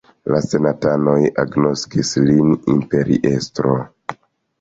La senatanoj agnoskis lin imperiestro.